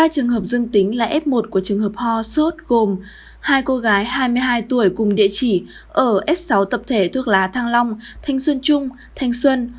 ba trường hợp dương tính là f một của trường hợp ho sốt gồm hai cô gái hai mươi hai tuổi cùng địa chỉ ở f sáu tập thể thuộc lá thang long thanh xuân trung thanh xuân